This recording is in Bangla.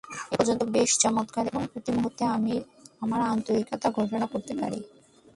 এ পর্যন্ত বেশ চমৎকার এবং প্রতিমুহূর্তে আমি আমার আন্তরিকতা ঘোষণা করিতে পারি।